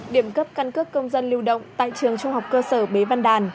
điểm cấp căn cước công dân lưu động tại trường trung học cơ sở bế văn đàn